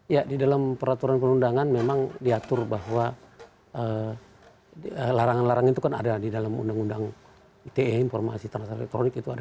ya di dalam peraturan perundangan memang diatur bahwa larangan larangan itu kan ada di dalam undang undang ite informasi transaksi elektronik itu ada